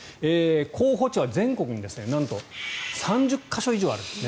候補地は全国になんと３０か所以上あるんです。